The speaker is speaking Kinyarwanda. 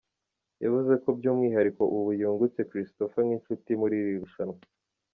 Yavuze ko by’umwihariko ubu yungutse Christopher nk’inshuti muri iri rushanwa.